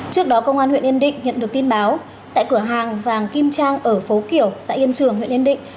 trước đó công an huyện yên định nhận được tin báo tại cửa hàng vàng kim trang ở phố kiểu xã yên trường huyện yên định